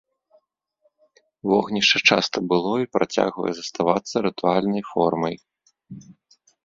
Вогнішча часта было і працягвае заставацца рытуальнай формай.